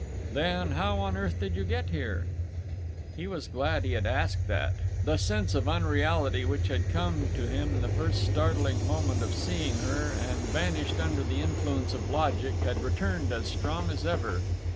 "Then how on earth did you get here?" He was glad he had asked that. The sense of unreality which had come to him in the first startling moment of seeing her and vanished under the influence of logic had returned as strong as ever.